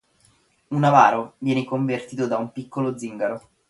Un avaro viene convertito da un piccolo zingaro.